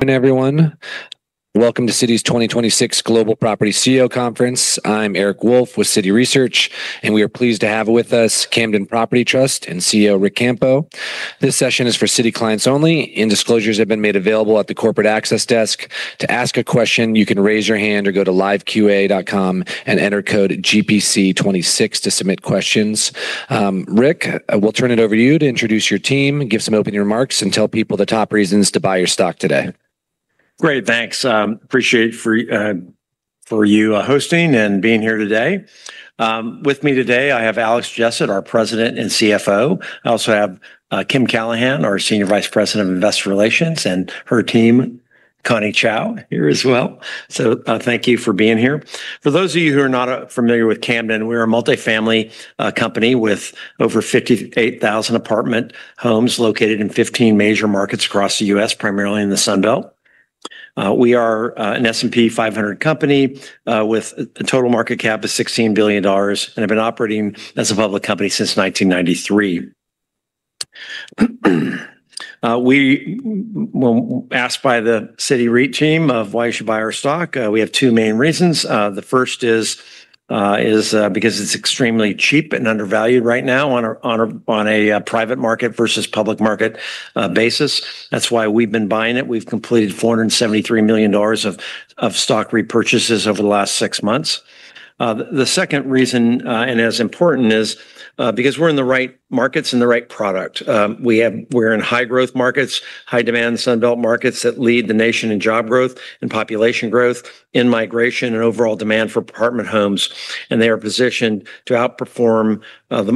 Good morning everyone. Welcome to Citi's 2026 Global Property CEO Conference. I'm Eric Wolfe with Citi Research, and we are pleased to have with us Camden Property Trust and CEO Ric Campo. This session is for Citi clients only. Disclosures have been made available at the corporate access desk. To ask a question, you can raise your hand or go to liveqa.com and enter code GPC26 to submit questions. Ric, we'll turn it over to you to introduce your team, give some opening remarks, and tell people the top reasons to buy your stock today. Great, thanks. Appreciate for you hosting and being here today. With me today, I have Alex Jessett, our president and CFO. I also have Kim Callahan, our senior vice president of Investor Relations, and her team, Connie Chau, here as well. Thank you for being here. For those of you who are not familiar with Camden, we're a multifamily company with over 58,000 apartment homes located in 15 major markets across the U.S., primarily in the Sun Belt. We are an S&P 500 company with a total market cap of $16 billion and have been operating as a public company since 1993. When asked by the Citi REIT team of why you should buy our stock, we have two main reasons. The first is because it's extremely cheap and undervalued right now on a private market versus public market basis. That's why we've been buying it. We've completed $473 million of stock repurchases over the last six months. The second reason, and as important, is because we're in the right markets and the right product. We're in high growth markets, high demand Sun Belt markets that lead the nation in job growth and population growth, in migration and overall demand for apartment homes, and they are positioned to outperform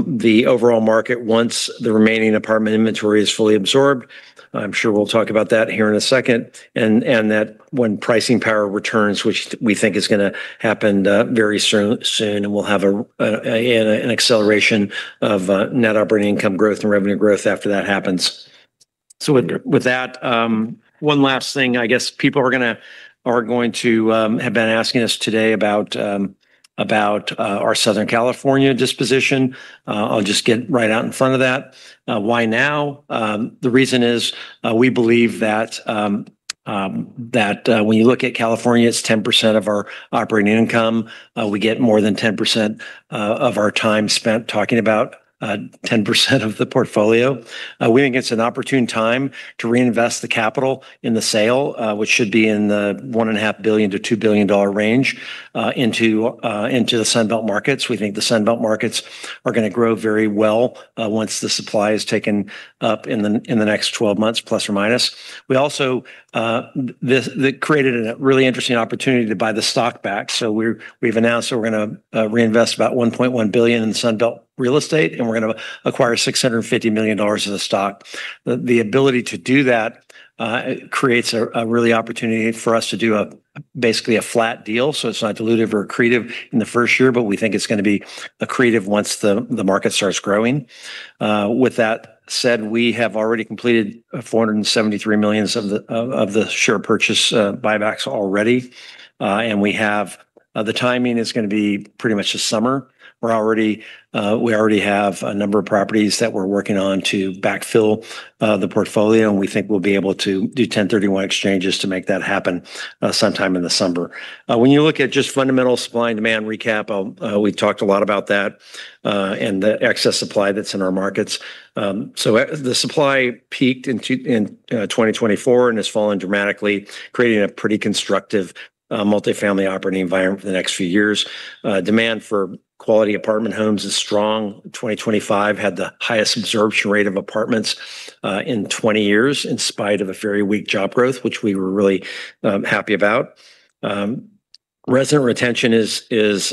the overall market once the remaining apartment inventory is fully absorbed. I'm sure we'll talk about that here in a second. That when pricing power returns, which we think is gonna happen very soon, and we'll have an acceleration of net operating income growth and revenue growth after that happens. With that, one last thing, I guess people are going to have been asking us today about about our Southern California disposition. I'll just get right out in front of that. Why now? The reason is, we believe that when you look at California, it's 10% of our operating income. We get more than 10% of our time spent talking about 10% of the portfolio. We think it's an opportune time to reinvest the capital in the sale, which should be in the one and a half billion to $2 billion range, into the Sun Belt markets. We think the Sun Belt markets are gonna grow very well, once the supply is taken up in the next 12 months, plus or minus. We also, that created a really interesting opportunity to buy the stock back. We're, we've announced that we're gonna reinvest about $1.1 billion in Sun Belt real estate, and we're gonna acquire $650 million of the stock. The ability to do that creates a really opportunity for us to do a basically a flat deal, so it's not dilutive or accretive in the first year, but we think it's gonna be accretive once the market starts growing. With that said, we have already completed $473 million of the share purchase buybacks already. And we have the timing is gonna be pretty much this summer. We already have a number of properties that we're working on to backfill the portfolio, and we think we'll be able to do 1031 exchanges to make that happen sometime in the summer. When you look at just fundamental supply and demand recap, we've talked a lot about that and the excess supply that's in our markets. The supply peaked in 2024 and has fallen dramatically, creating a pretty constructive multifamily operating environment for the next few years. Demand for quality apartment homes is strong. 2025 had the highest absorption rate of apartments in 20 years, in spite of a very weak job growth, which we were really happy about. Resident retention is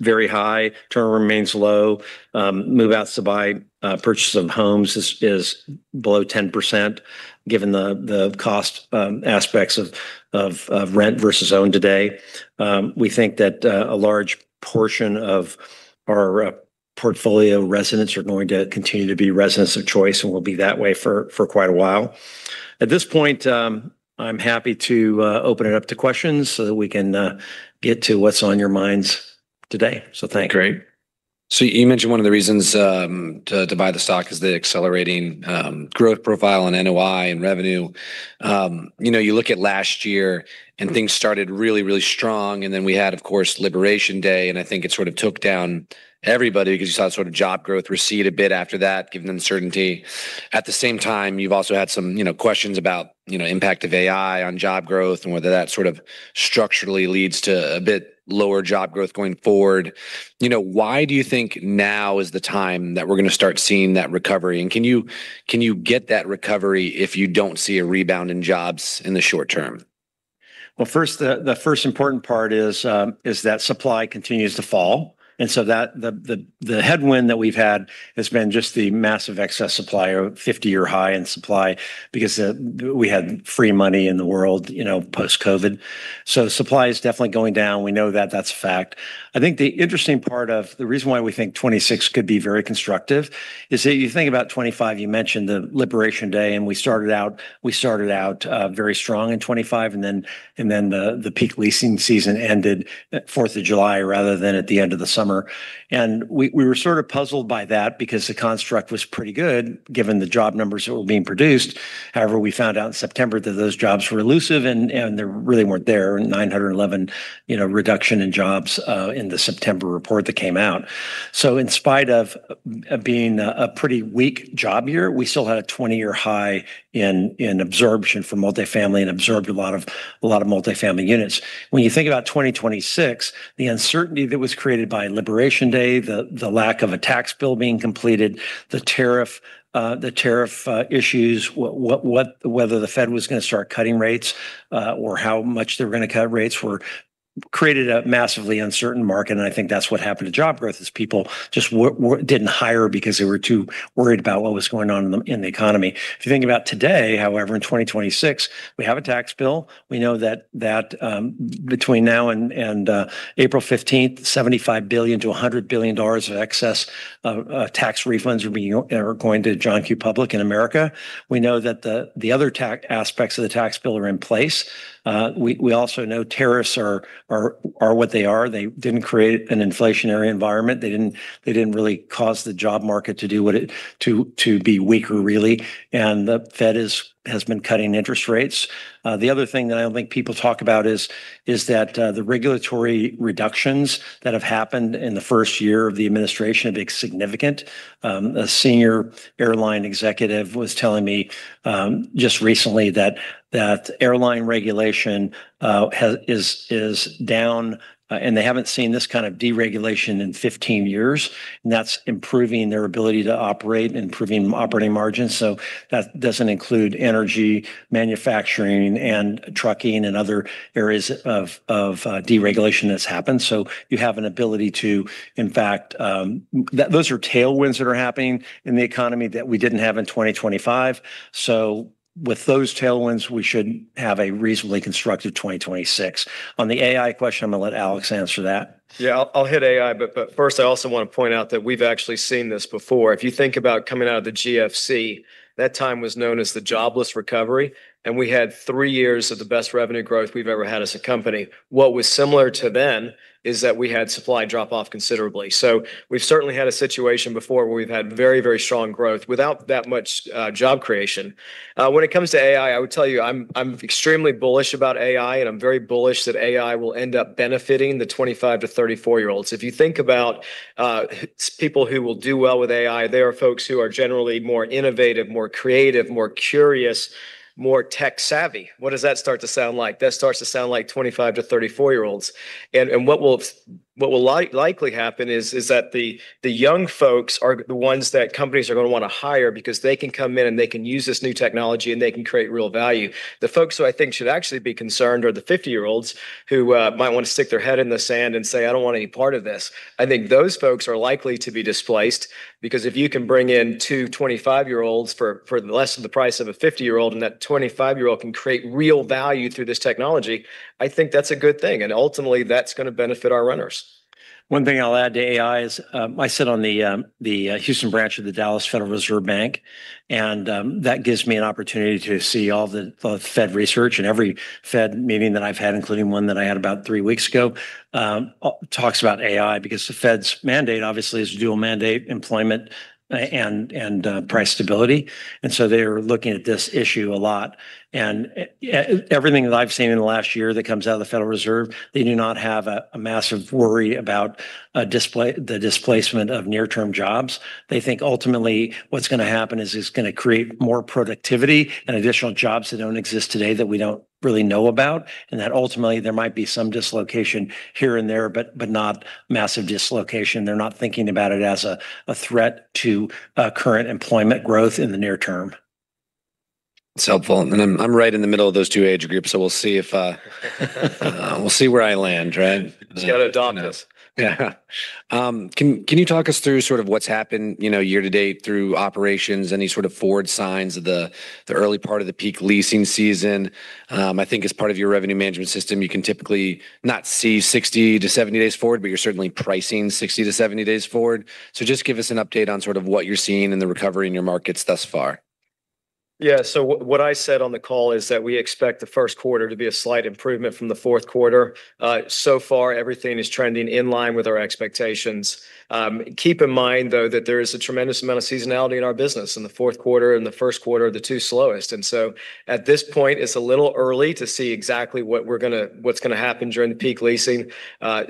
very high. Turnover remains low. Move-outs to buy purchases of homes is below 10%, given the cost aspects of rent versus own today. We think that a large portion of our portfolio residents are going to continue to be residents of choice and will be that way for quite a while. At this point, I'm happy to open it up to questions so that we can get to what's on your minds today. Thank you. Great. You mentioned one of the reasons to buy the stock is the accelerating growth profile and NOI and revenue. You know, you look at last year, and things started really, really strong, and then we had, of course, Liberation Day, and I think it sort of took down everybody because you saw sort of job growth recede a bit after that, given the uncertainty. At the same time, you've also had some, you know, questions about, you know, impact of AI on job growth and whether that sort of structurally leads to a bit lower job growth going forward. You know, why do you think now is the time that we're gonna start seeing that recovery? Can you get that recovery if you don't see a rebound in jobs in the short term? Well, first, the first important part is that supply continues to fall, the headwind that we've had has been just the massive excess supply of 50-year high-end supply because we had free money in the world, you know, post-COVID. Supply is definitely going down. We know that. That's a fact. I think the interesting part of the reason why we think 2026 could be very constructive is that you think about 2025, you mentioned the Liberation Day, we started out very strong in 2025, the peak leasing season ended at 4th of July rather than at the end of the summer. We were sort of puzzled by that because the construct was pretty good given the job numbers that were being produced. We found out in September that those jobs were elusive and they really weren't there. 911, you know, reduction in jobs in the September report that came out. In spite of being a pretty weak job year, we still had a 20-year high in absorption for multifamily and absorbed a lot of multifamily units. When you think about 2026, the uncertainty that was created by Liberation Day, the lack of a tax bill being completed, the tariff issues, whether the FED was gonna start cutting rates or how much they were gonna cut rates created a massively uncertain market, and I think that's what happened to job growth, is people just didn't hire because they were too worried about what was going on in the economy. If you think about today, however, in 2026, we have a tax bill. We know that between now and April 15th, $75 billion-$100 billion of excess tax refunds will be going to John Q. Public in America. We know that the other aspects of the tax bill are in place. We also know tariffs are what they are. They didn't really cause the job market to do what it-- to be weaker, really. The FED has been cutting interest rates. The other thing that I don't think people talk about is that, the regulatory reductions that have happened in the first year of the administration have been significant. A senior airline executive was telling me, just recently that airline regulation, is down, and they haven't seen this kind of deregulation in 15 years, and that's improving their ability to operate, improving operating margins. That doesn't include energy, manufacturing and trucking and other areas of deregulation that's happened. You have an ability to, in fact... Those are tailwinds that are happening in the economy that we didn't have in 2025. With those tailwinds, we should have a reasonably constructive 2026. On the AI question, I'm gonna let Alex answer that. Yeah, I'll hit AI, but first, I also want to point out that we've actually seen this before. If you think about coming out of the GFC, that time was known as the jobless recovery, we had three years of the best revenue growth we've ever had as a company. What was similar to then is that we had supply drop off considerably. We've certainly had a situation before where we've had very, very strong growth without that much job creation. When it comes to AI, I would tell you I'm extremely bullish about AI, I'm very bullish that AI will end up benefiting the 25 to 34-year-olds. If you think about people who will do well with AI, they are folks who are generally more innovative, more creative, more curious, more tech-savvy. What does that start to sound like? That starts to sound like 25 to 34-year-olds. What will likely happen is that the young folks are the ones that companies are gonna wanna hire because they can come in and they can use this new technology, and they can create real value. The folks who I think should actually be concerned are the 50-year-olds who might wanna stick their head in the sand and say, "I don't want any part of this." I think those folks are likely to be displaced because if you can bring in 2 25-year-olds for less than the price of a 50-year-old, and that 25-year-old can create real value through this technology, I think that's a good thing, and ultimately, that's gonna benefit our renters. One thing I'll add to AI is, I sit on the Houston branch of the Federal Reserve Bank of Dallas, and that gives me an opportunity to see all the Fed research and every Fed meeting that I've had, including one that I had about three weeks ago, talks about AI because the Fed's mandate, obviously, is dual mandate employment and price stability. They're looking at this issue a lot. Everything that I've seen in the last year that comes out of the Federal Reserve, they do not have a massive worry about the displacement of near-term jobs. They think ultimately what's gonna happen is it's gonna create more productivity and additional jobs that don't exist today that we don't really know about. That ultimately there might be some dislocation here and there, but not massive dislocation. They're not thinking about it as a threat to current employment growth in the near term. It's helpful. I'm right in the middle of those two age groups. We'll see if we'll see where I land, right? Just gotta adopt us. Yeah. Can you talk us through sort of what's happened, you know, year to date through operations, any sort of forward signs of the early part of the peak leasing season? I think as part of your revenue management system, you can typically not see 60 - 70 days forward, but you're certainly pricing 60 - 70 days forward. Just give us an update on sort of what you're seeing in the recovery in your markets thus far. What I said on the call is that we expect the first quarter to be a slight improvement from the fourth quarter. So far everything is trending in line with our expectations. Keep in mind though that there is a tremendous amount of seasonality in our business, and the fourth quarter and the first quarter are the two slowest. At this point, it's a little early to see exactly what's gonna happen during the peak leasing.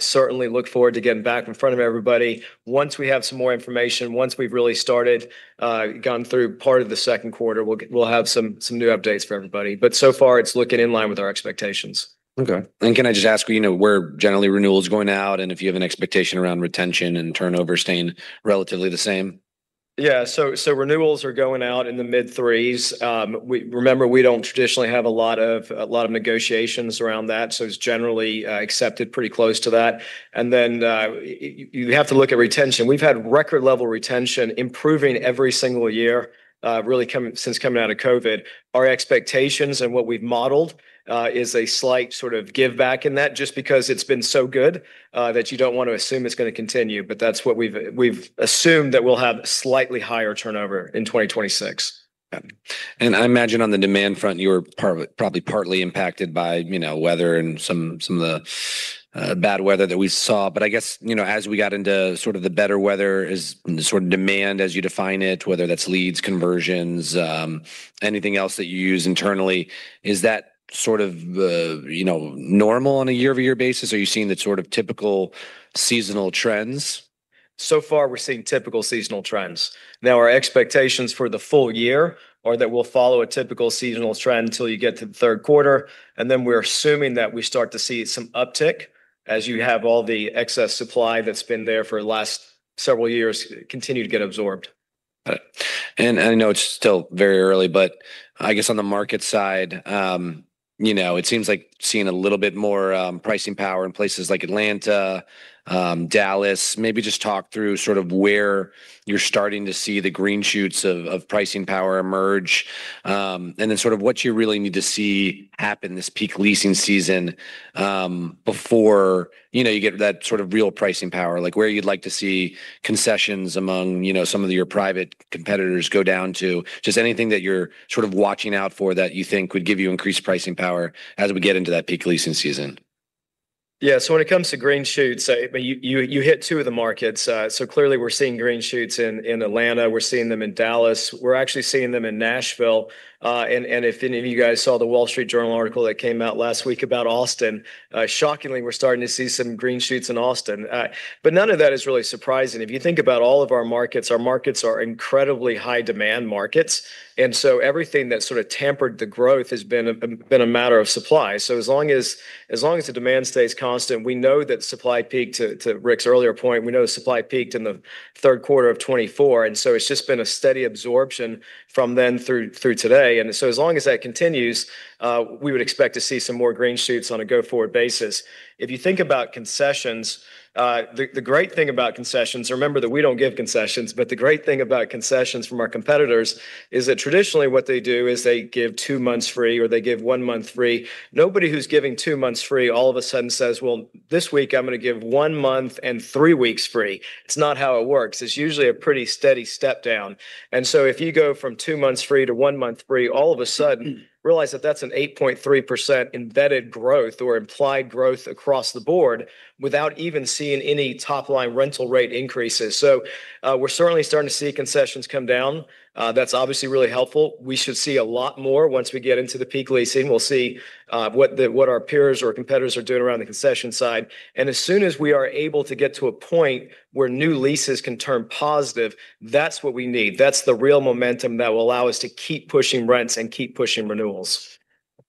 Certainly look forward to getting back in front of everybody. Once we have some more information, once we've really started, gotten through part of the second quarter, we'll have some new updates for everybody. So far, it's looking in line with our expectations. Okay. Can I just ask, you know, where generally renewal is going out, and if you have an expectation around retention and turnover staying relatively the same? Yeah. Renewals are going out in the mid 3s. Remember, we don't traditionally have a lot of negotiations around that, so it's generally accepted pretty close to that. You have to look at retention. We've had record level retention improving every single year, really since coming out of COVID. Our expectations and what we've modeled is a slight sort of give back in that just because it's been so good that you don't want to assume it's gonna continue. That's what we've assumed that we'll have slightly higher turnover in 2026. I imagine on the demand front, you're probably partly impacted by, you know, weather and some of the bad weather that we saw. I guess, you know, as we got into sort of the better weather, is sort of demand as you define it, whether that's leads, conversions, anything else that you use internally, is that sort of, you know, normal on a year-over-year basis? Are you seeing the sort of typical seasonal trends? So far, we're seeing typical seasonal trends. Our expectations for the full year are that we'll follow a typical seasonal trend till you get to the third quarter, and then we're assuming that we start to see some uptick as you have all the excess supply that's been there for the last several years continue to get absorbed. I know it's still very early, but I guess on the market side, you know, it seems like seeing a little bit more pricing power in places like Atlanta, Dallas. Maybe just talk through sort of where you're starting to see the green shoots of pricing power emerge, and then sort of what you really need to see happen this peak leasing season, before, you know, you get that sort of real pricing power. Like, where you'd like to see concessions among, you know, some of your private competitors go down to. Just anything that you're sort of watching out for that you think would give you increased pricing power as we get into that peak leasing season. When it comes to green shoots, but you hit two of the markets. Clearly we're seeing green shoots in Atlanta, we're seeing them in Dallas, we're actually seeing them in Nashville. And if any of you guys saw The Wall Street Journal article that came out last week about Austin, shockingly, we're starting to see some green shoots in Austin. None of that is really surprising. If you think about all of our markets, our markets are incredibly high demand markets. Everything that sort of tampered the growth has been a matter of supply. As long as the demand stays constant, we know that supply peaked, to Ric's earlier point, we know supply peaked in the third quarter of 2024. It's just been a steady absorption from then through today. As long as that continues, we would expect to see some more green shoots on a go-forward basis. If you think about concessions, the great thing about concessions, remember that we don't give concessions, but the great thing about concessions from our competitors is that traditionally what they do is they give two months free, or they give one month free. Nobody who's giving two months free all of a sudden says, "Well, this week I'm gonna give one month and three weeks free." It's not how it works. It's usually a pretty steady step down. If you go from two months free to one month free, all of a sudden realize that that's an 8.3% embedded growth or implied growth across the board without even seeing any top-line rental rate increases. We're certainly starting to see concessions come down. That's obviously really helpful. We should see a lot more once we get into the peak leasing. We'll see what our peers or competitors are doing around the concession side. As soon as we are able to get to a point where new leases can turn positive, that's what we need. That's the real momentum that will allow us to keep pushing rents and keep pushing renewals.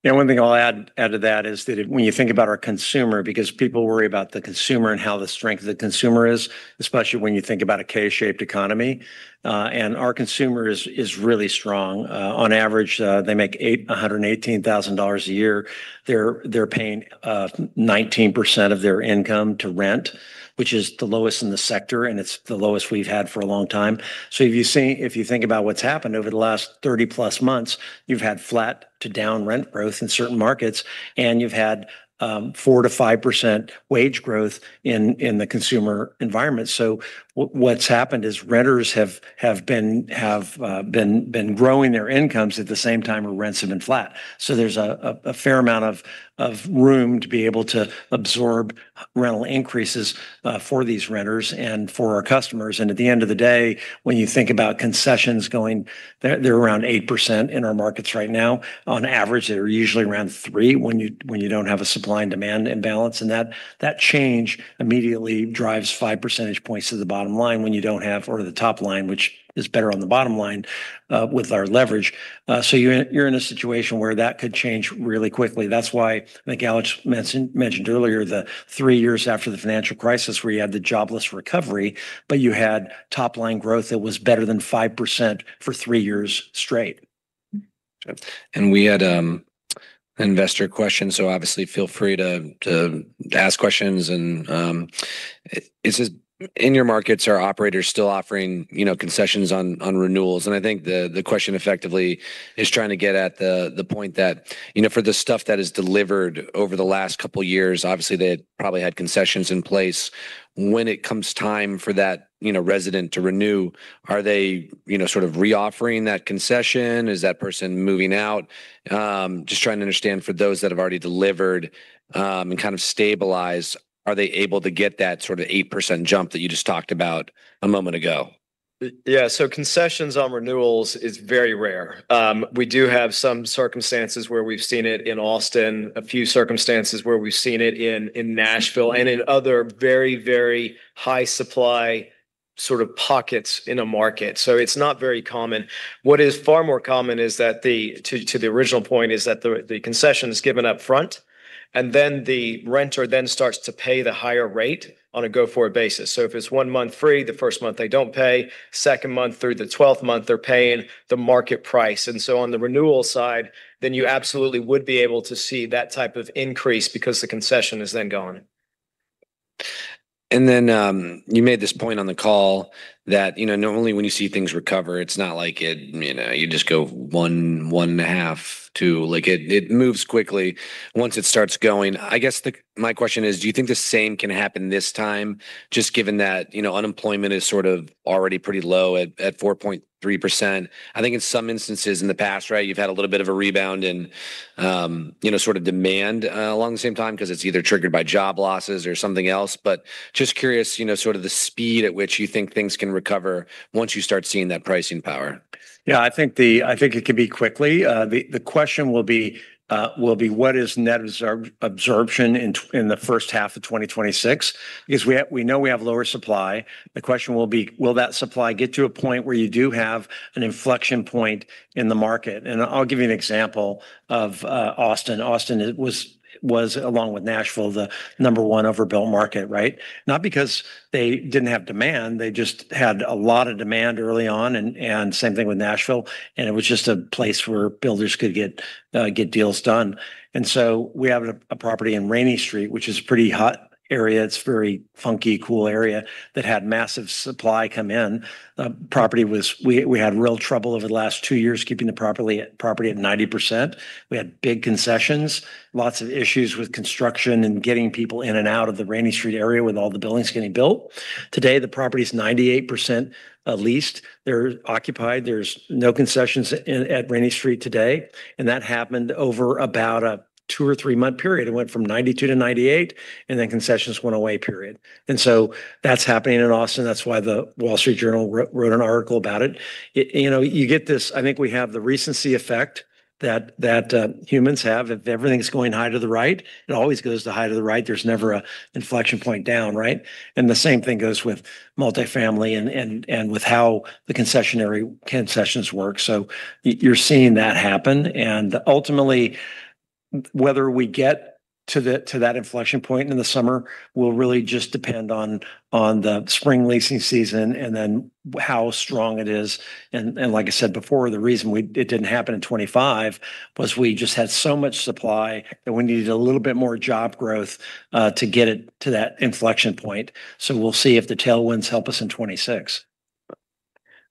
Yeah. One thing I'll add to that is that when you think about our consumer, because people worry about the consumer and how the strength of the consumer is, especially when you think about a K-shaped economy, and our consumer is really strong. On average, they make $118,000 a year. They're paying 19% of their income to rent, which is the lowest in the sector, and it's the lowest we've had for a long time. If you think about what's happened over the last 30+ months, you've had flat to down rent growth in certain markets, and you've had 4%-5% wage growth in the consumer environment. What's happened is renters have been growing their incomes at the same time where rents have been flat. There's a fair amount of room to be able to absorb rental increases for these renters and for our customers. At the end of the day, when you think about concessions going, they're around 8% in our markets right now. On average, they are usually around 3% when you don't have a supply and demand imbalance. That change immediately drives five percentage points to the bottom line when you don't have or the top line, which is better on the bottom line with our leverage. You're in a situation where that could change really quickly. That's why I think Alex mentioned earlier the three years after the financial crisis where you had the jobless recovery, but you had top-line growth that was better than 5% for three years straight. We had investor questions, so obviously feel free to ask questions. It says, "In your markets, are operators still offering, you know, concessions on renewals?" I think the question effectively is trying to get at the point that, you know, for the stuff that is delivered over the last couple of years, obviously, they probably had concessions in place. When it comes time for that, you know, resident to renew, are they, you know, sort of reoffering that concession? Is that person moving out? Just trying to understand for those that have already delivered and kind of stabilized, are they able to get that sort of 8% jump that you just talked about a moment ago? Yeah. Concessions on renewals is very rare. We do have some circumstances where we've seen it in Austin, a few circumstances where we've seen it in Nashville and in other very, very high supply-sort of pockets in a market. It's not very common. What is far more common is that, to the original point, the concession is given up front, and then the renter then starts to pay the higher rate on a go-forward basis. If it's one month free, the first month they don't pay, second month through the twelfth month they're paying the market price. On the renewal side, then you absolutely would be able to see that type of increase because the concession is then gone. Then, you made this point on the call that, you know, normally when you see things recover, it's not like it, you know, you just go 1.5, 2. Like, it moves quickly once it starts going. I guess my question is, do you think the same can happen this time, just given that, you know, unemployment is sort of already pretty low at 4.3%? I think in some instances in the past, right, you've had a little bit of a rebound in, you know, sort of demand along the same time because it's either triggered by job losses or something else. Just curious, you know, sort of the speed at which you think things can recover once you start seeing that pricing power. Yeah, I think it could be quickly. The question will be what is net absorption in the first half of 2026? We know we have lower supply. The question will be, will that supply get to a point where you do have an inflection point in the market? I'll give you an example of Austin. Austin was, along with Nashville, the number one overbuilt market, right? Not because they didn't have demand, they just had a lot of demand early on and same thing with Nashville, and it was just a place where builders could get deals done. We have a property in Rainey Street, which is a pretty hot area. It's very funky, cool area that had massive supply come in. The property was we had real trouble over the last two years keeping the property at 90%. We had big concessions, lots of issues with construction and getting people in and out of the Rainey Street area with all the buildings getting built. Today, the property is 98% leased. They're occupied. There's no concessions in, at Rainey Street today. That happened over about a 2- or 3-month period. It went from 92% - 98%. Concessions went away, period. That's happening in Austin. That's why The Wall Street Journal wrote an article about it. You know, you get this I think we have the recency effect that humans have. If everything's going high to the right, it always goes to high to the right. There's never a inflection point down, right? The same thing goes with multifamily and with how the concessionary concessions work. You're seeing that happen. Ultimately, whether we get to that inflection point in the summer will really just depend on the spring leasing season and then how strong it is. Like I said before, the reason it didn't happen in 25 was we just had so much supply that we needed a little bit more job growth to get it to that inflection point. We'll see if the tailwinds help us in 26.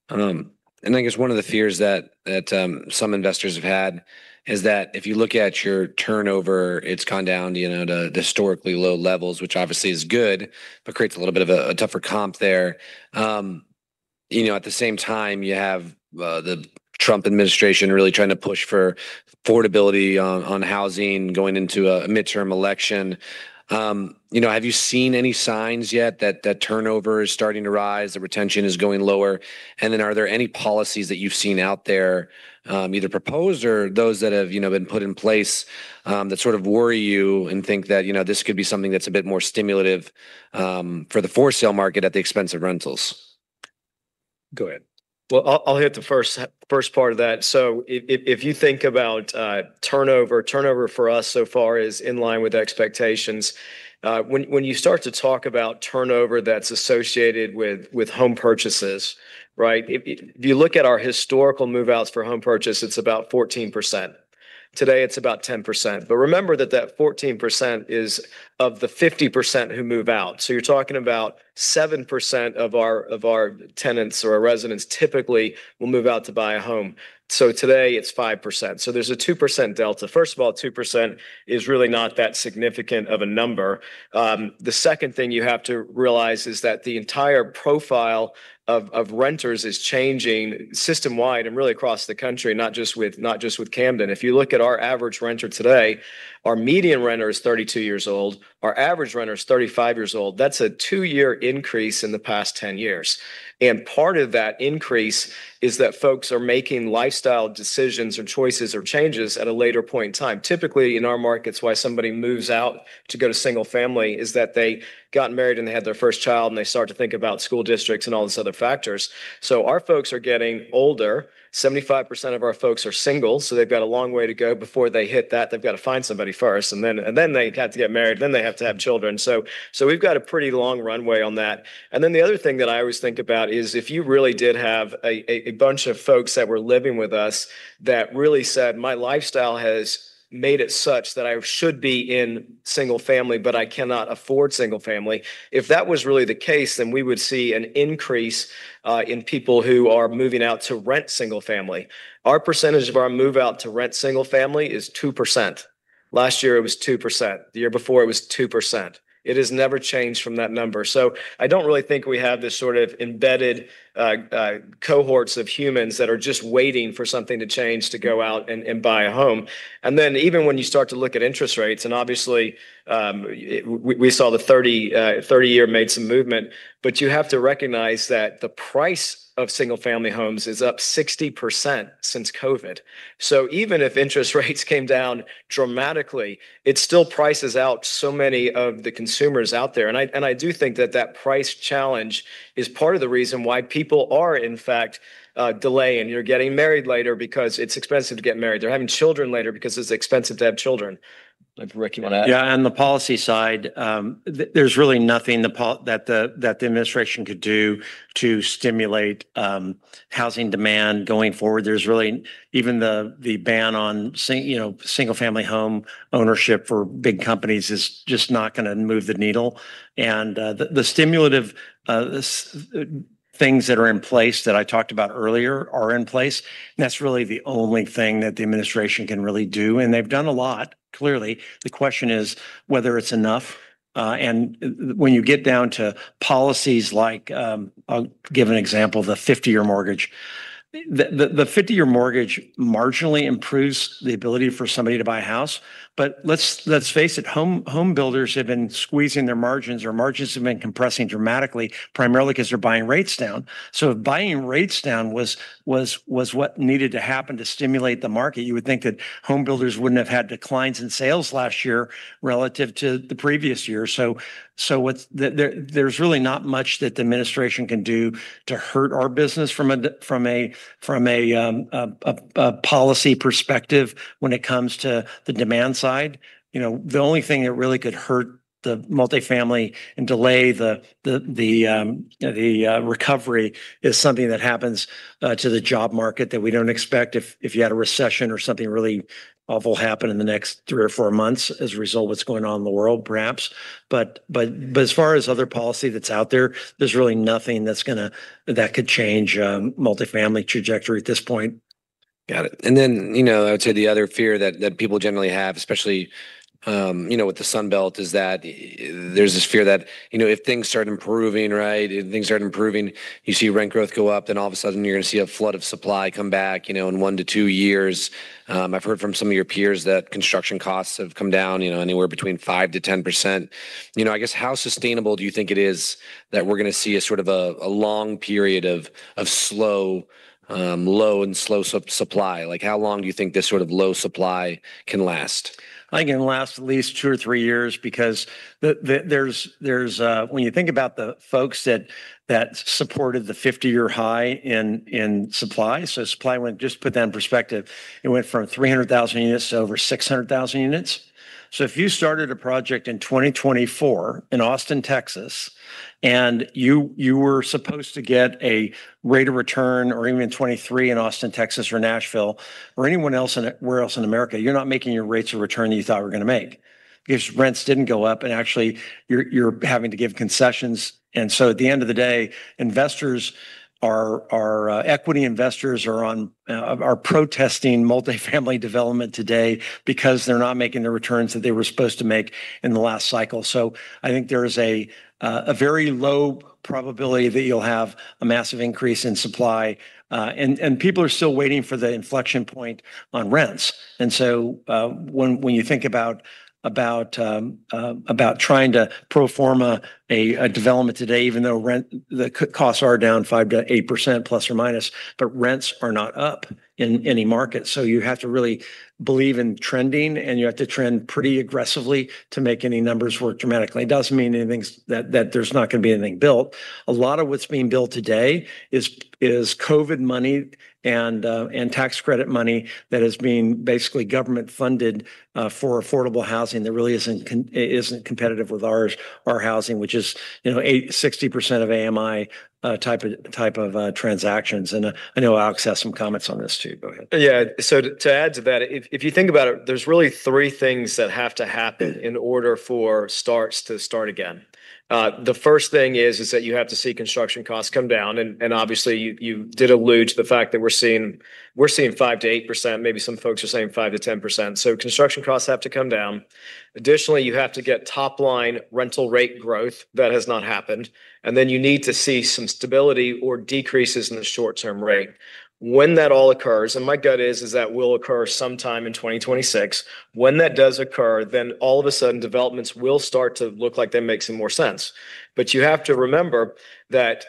I guess one of the fears that some investors have had is that if you look at your turnover, it's gone down, you know, to historically low levels, which obviously is good, but creates a little bit of a tougher comp there. You know, at the same time, you have the Trump administration really trying to push for affordability on housing going into a midterm election. You know, have you seen any signs yet that that turnover is starting to rise, the retention is going lower? Are there any policies that you've seen out there, either proposed or those that have, you know, been put in place, that sort of worry you and think that, you know, this could be something that's a bit more stimulative for the for-sale market at the expense of rentals? Go ahead. Well, I'll hit the first part of that. If you think about turnover for us so far is in line with expectations. When you start to talk about turnover that's associated with home purchases, right? If you look at our historical move-outs for home purchase, it's about 14%. Today, it's about 10%. Remember that that 14% is of the 50% who move out. You're talking about 7% of our tenants or our residents typically will move out to buy a home. Today it's 5%. There's a 2% delta. First of all, 2% is really not that significant of a number. The second thing you have to realize is that the entire profile of renters is changing system-wide and really across the country, not just with Camden. If you look at our average renter today, our median renter is 32 years old. Our average renter is 35 years old. That's a 2-year increase in the past 10 years. Part of that increase is that folks are making lifestyle decisions or choices or changes at a later point in time. Typically, in our markets, why somebody moves out to go to single family is that they got married, and they had their first child, and they start to think about school districts and all these other factors. Our folks are getting older. 75% of our folks are single, so they've got a long way to go before they hit that. They've got to find somebody first, and then they have to get married, then they have to have children. We've got a pretty long runway on that. The other thing that I always think about is if you really did have a bunch of folks that were living with us that really said, "My lifestyle has made it such that I should be in single family, but I cannot afford single family." If that was really the case, we would see an increase in people who are moving out to rent single family. Our percentage of our move-out to rent single family is 2%. Last year it was 2%. The year before it was 2%. It has never changed from that number. I don't really think we have this sort of embedded cohorts of humans that are just waiting for something to change to go out and buy a home. Even when you start to look at interest rates, and obviously, we saw the 30-year made some movement, but you have to recognize that the price of single-family homes is up 60% since COVID. Even if interest rates came down dramatically, it still prices out so many of the consumers out there. I do think that that price challenge is part of the reason why people are in fact delaying. You're getting married later because it's expensive to get married. They're having children later because it's expensive to have children. Ric, you wanna add? Yeah, on the policy side, there's really nothing that the administration could do to stimulate housing demand going forward. There's really. Even the ban on you know, single-family home ownership for big companies is just not gonna move the needle. The stimulative things that are in place that I talked about earlier are in place. That's really the only thing that the administration can really do, and they've done a lot, clearly. The question is whether it's enough. When you get down to policies like, I'll give an example, the 50-year mortgage. The 50-year mortgage marginally improves the ability for somebody to buy a house. Let's face it, home builders have been squeezing their margins, or margins have been compressing dramatically, primarily 'cause they're buying rates down. If buying rates down was what needed to happen to stimulate the market, you would think that home builders wouldn't have had declines in sales last year relative to the previous year. What's. There's really not much that the administration can do to hurt our business from a policy perspective when it comes to the demand side. You know, the only thing that really could hurt the multifamily and delay the recovery is something that happens to the job market that we don't expect if you had a recession or something really awful happen in the next three or four months as a result of what's going on in the world, perhaps. As far as other policy that's out there's really nothing that's gonna... that could change, multifamily trajectory at this point. Got it. You know, I would say the other fear that people generally have, especially, you know, with the Sun Belt, is that there's this fear that, you know, if things start improving, right, if things start improving, you see rent growth go up, then all of a sudden you're gonna see a flood of supply come back, you know, in one to two years. I've heard from some of your peers that construction costs have come down, you know, anywhere between 5%-10%. You know, I guess how sustainable do you think it is that we're gonna see a sort of a long period of slow, low and slow supply? Like, how long do you think this sort of low supply can last? I think it can last at least two or three years because there's, when you think about the folks that supported the 50-year high in supply. Supply went. Just put that in perspective, it went from 300,000 units to over 600,000 units. If you started a project in 2024 in Austin, Texas, and you were supposed to get a rate of return, or even in 2023 in Austin, Texas, or Nashville, or anyone else wherever else in America, you're not making your rates of return that you thought you were gonna make because rents didn't go up, and actually, you're having to give concessions. At the end of the day, investors are equity investors are protesting multifamily development today because they're not making the returns that they were supposed to make in the last cycle. I think there is a very low probability that you'll have a massive increase in supply. people are still waiting for the inflection point on rents. when you think about trying to pro forma a development today, even though the costs are down 5% to 8% ±, but rents are not up in any market. you have to really believe in trending, and you have to trend pretty aggressively to make any numbers work dramatically. It doesn't mean that there's not gonna be anything built. A lot of what's being built today is COVID money and tax credit money that is being basically government funded for affordable housing that really isn't competitive with ours, our housing, which is, you know, 60% of AMI type of transactions. I know Alex has some comments on this too. Go ahead. To add to that, if you think about it, there's really th things that have to happen in order for starts to start again. The first thing is that you have to see construction costs come down, and obviously you did allude to the fact that we're seeing 5%-8%, maybe some folks are saying 5%-10%. Construction costs have to come down. Additionally, you have to get top-line rental rate growth. That has not happened. Then you need to see some stability or decreases in the short-term rate. When that all occurs, and my gut is that will occur sometime in 2026. When that does occur, all of a sudden developments will start to look like they make some more sense. You have to remember that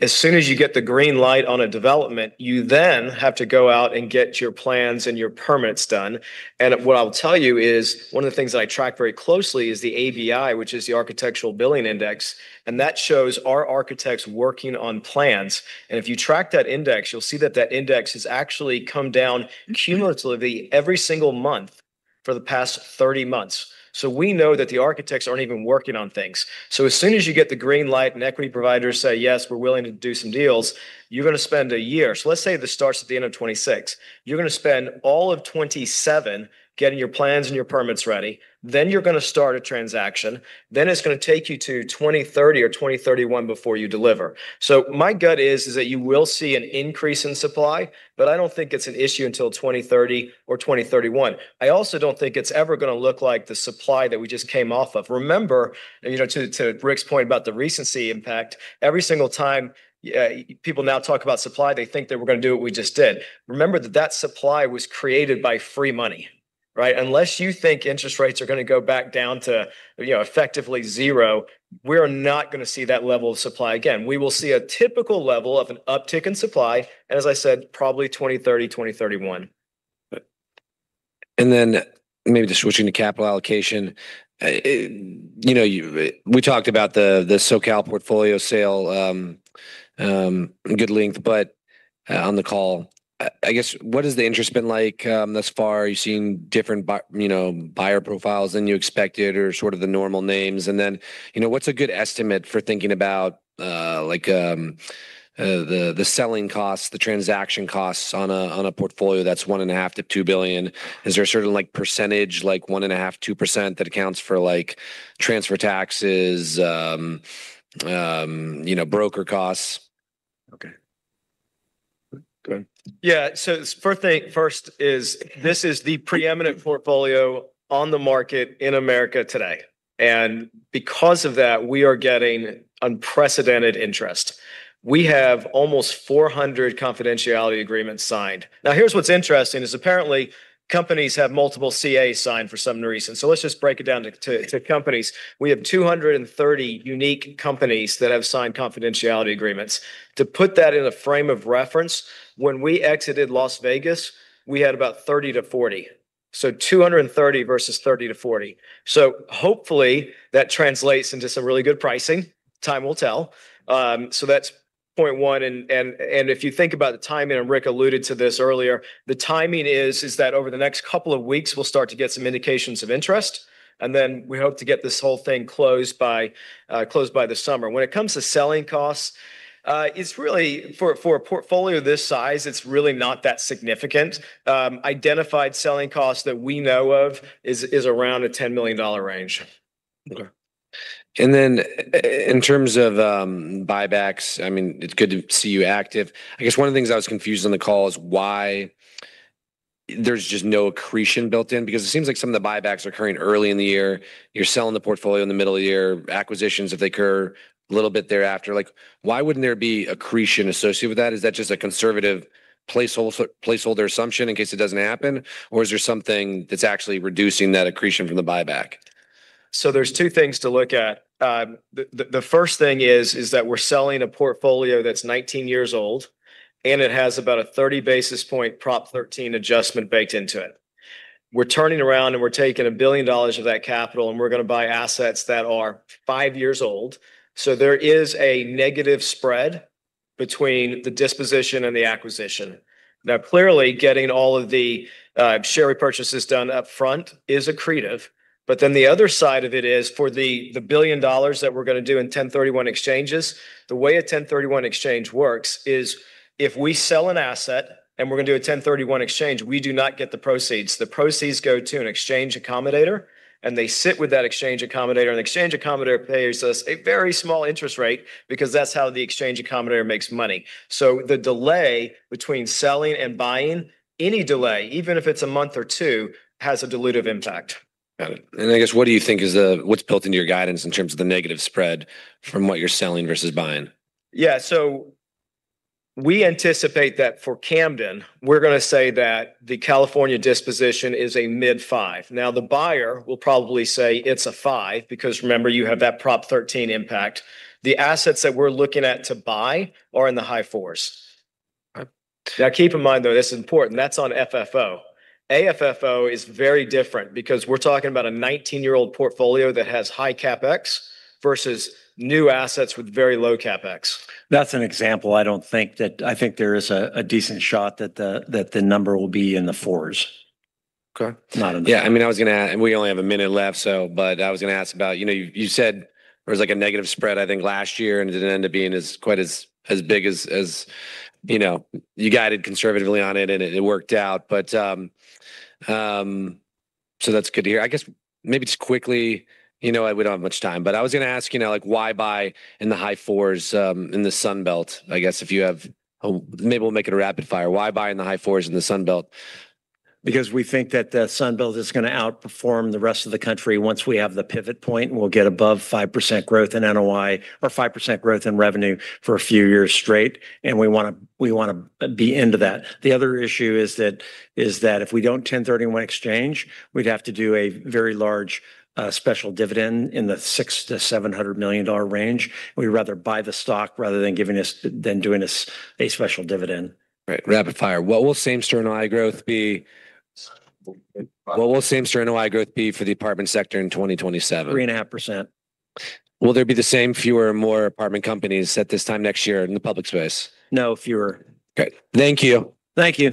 as soon as you get the green light on a development, you then have to go out and get your plans and your permits done. What I'll tell you is, one of the things that I track very closely is the ABI, which is the Architectural Billings Index, and that shows are architects working on plans. If you track that index, you'll see that that index has actually come down cumulatively every single month for the past 30 months. We know that the architects aren't even working on things. As soon as you get the green light and equity providers say, "Yes, we're willing to do some deals," you're gonna spend a year. Let's say this starts at the end of 2026. You're gonna spend all of 2027 getting your plans and your permits ready. You're gonna start a transaction. It's gonna take you to 2030 or 2031 before you deliver. My gut is that you will see an increase in supply, but I don't think it's an issue until 2030 or 2031. I also don't think it's ever gonna look like the supply that we just came off of. Remember, you know, to Ric's point about the recency impact, every single time people now talk about supply, they think that we're gonna do what we just did. Remember that supply was created by free money. Right? Unless you think interest rates are gonna go back down to, you know, effectively zero, we're not gonna see that level of supply again. We will see a typical level of an uptick in supply, and as I said, probably 2030, 2031. Maybe just switching to capital allocation. you know, we talked about the SoCal portfolio sale, good length on the call. I guess, what has the interest been like thus far? Are you seeing different you know, buyer profiles than you expected or sort of the normal names? you know, what's a good estimate for thinking about the selling costs, the transaction costs on a portfolio that's $1.5 billion-$2 billion? Is there a certain, like, percentage, like 1.5%-2% that accounts for, like, transfer taxes, you know, broker costs? Okay. Go ahead. Yeah. First thing, first is this is the preeminent portfolio on the market in America today, and because of that, we are getting unprecedented interest. We have almost 400 confidentiality agreements signed. Here's what's interesting is apparently companies have multiple CAs signed for some reason. Let's just break it down to companies. We have 230 unique companies that have signed confidentiality agreements. To put that in a frame of reference, when we exited Las Vegas, we had about 30-40, so 230 versus 30-40. Hopefully that translates into some really good pricing. Time will tell. So that's point one. If you think about the timing, and Ric alluded to this earlier, the timing is that over the next couple of weeks we'll start to get some indications of interest, and then we hope to get this whole thing closed by the summer. When it comes to selling costs, it's really for a portfolio this size, it's really not that significant. Identified selling costs that we know of is around the $10 million range. Okay. In terms of buybacks, I mean, it's good to see you active. I guess one of the things I was confused on the call is why there's just no accretion built in because it seems like some of the buybacks are occurring early in the year. You're selling the portfolio in the middle of the year. Acquisitions, if they occur a little bit thereafter. Like, why wouldn't there be accretion associated with that? Is that just a conservative placeholder assumption in case it doesn't happen? Or is there something that's actually reducing that accretion from the buyback? There's two things to look at. The first thing is that we're selling a portfolio that's 19 years old, and it has about a 30 basis point Proposition 13 adjustment baked into it. We're turning around and we're taking $1 billion of that capital, and we're gonna buy assets that are five years old. There is a negative spread between the disposition and the acquisition. Now, clearly, getting all of the share repurchases done upfront is accretive, but then the other side of it is for the $1 billion that we're gonna do in 1031 exchanges. The way a 1031 exchange works is if we sell an asset, and we're gonna do a 1031 exchange, we do not get the proceeds. The proceeds go to an exchange accommodator. They sit with that exchange accommodator. The exchange accommodator pays us a very small interest rate because that's how the exchange accommodator makes money. The delay between selling and buying, any delay, even if it's a month or two, has a dilutive impact. Got it. I guess, what do you think is what's built into your guidance in terms of the negative spread from what you're selling versus buying? Yeah. We anticipate that for Camden, we're gonna say that the California disposition is a mid-5%. The buyer will probably say it's a 5% because remember, you have that Proposition 13 impact. The assets that we're looking at to buy are in the high 4%. Okay. Keep in mind though, this is important, that's on FFO. AFFO is very different because we're talking about a 19-year-old portfolio that has high CapEx versus new assets with very low CapEx. That's an example. I don't think that... I think there is a decent shot that the number will be in the fours. Okay. Not in. I mean, I was gonna and we only have a minute left, I was gonna ask about, you know, you said there was like a negative spread, I think last year, and it didn't end up being as, quite as big as, you know. You guided conservatively on it and it worked out. That's good to hear. Maybe just quickly, you know, we don't have much time, but I was gonna ask, you know, like, why buy in the high 4s in the Sun Belt? If you have. Maybe we'll make it a rapid fire. Why buy in the high 4s in the Sun Belt? We think that the Sun Belt is gonna outperform the rest of the country once we have the pivot point and we'll get above 5% growth in NOI or 5% growth in revenue for a few years straight, and we wanna into that. The other issue is that if we don't 1031 exchange, we'd have to do a very large special dividend in the $600 million-$700 million range. We'd rather buy the stock rather than doing a special dividend. Right. Rapid fire. What will Same-Store NOI Growth be? What will Same-Store NOI Growth be for the apartment sector in 2027? Three and a half percent. Will there be the same, fewer or more apartment companies at this time next year in the public space? No, fewer. Okay. Thank you. Thank you.